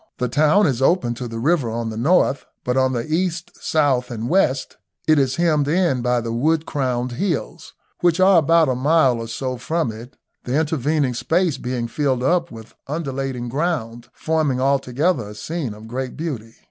The town is open to the river on the north, but on the east, south, and west it is hemmed in by the wood crowned hills, which are about a mile or so from it, the intervening space being filled up with undulating ground, forming altogether a scene of great beauty.